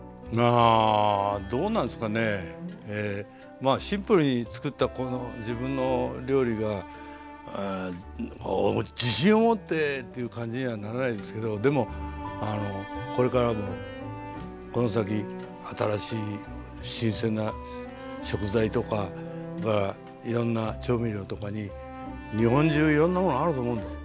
まあシンプルにつくったこの自分の料理が自信を持ってっていう感じにはならないですけどでもこれからもこの先新しい新鮮な食材とかいろんな調味料とかに日本中いろんなものがあると思うんです。